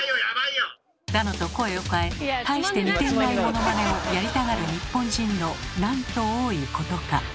だのと声を変え大して似ていないものまねをやりたがる日本人のなんと多いことか。